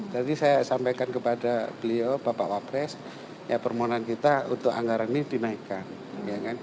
tadi saya sampaikan kepada beliau bapak wak pres permohonan kita untuk anggaran ini dinaikkan